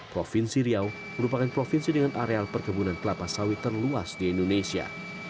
provinsi riau merupakan provinsi dengan areal perkebunan kelapa sawit terluas di indonesia